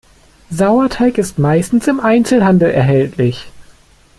Sauerteig ist meistens im Einzelhandel erhältlich.